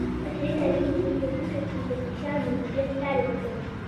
عصري تعلیم مهم دی ځکه چې د فشار مدیریت لارې ورکوي.